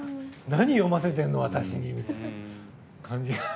何、読ませてるの私にみたいな感じが。